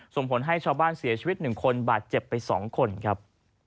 ส่งผลให้ชาวบ้านเสียชีวิต๑คนบาดเจ็บไป๒คนครับ